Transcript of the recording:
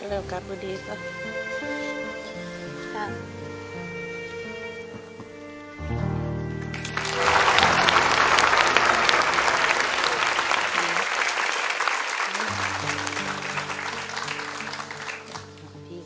แล้วกลับมาดีก็